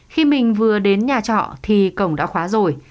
khi mình vừa đến nhà trọ thì cổng đã khóa rồi